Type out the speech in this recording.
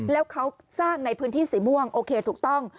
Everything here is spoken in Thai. แล้วเขาสร้างในพื้นที่สีม่วงโอเคถูกต้อง